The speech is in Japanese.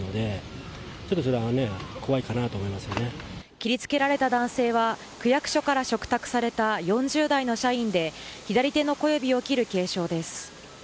切り付けられた男性は区役所から嘱託された４０代の社員で左手の小指を切る軽傷です。